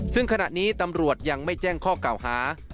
ซึ่งขณะนี้ตำรวจยังไม่แจ้งข้อเก่าหา